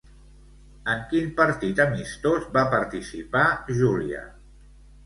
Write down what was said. En quin partit amistós va participar Júlia?